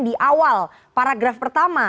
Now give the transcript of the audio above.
di awal paragraf pertama